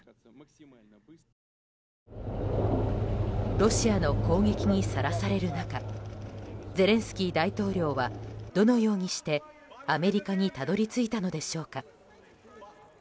ロシアの攻撃にさらされる中ゼレンスキー大統領はどのようにしてアメリカにたどり着いたのでしょうか。